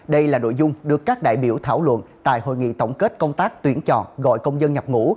đây là nội dung được các đại biểu thảo luận tại hội nghị tổng kết công tác tuyển chọn gọi công dân nhập ngũ